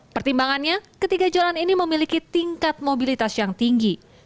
pertimbangannya ketiga jalan ini memiliki tingkat mobilitas yang tinggi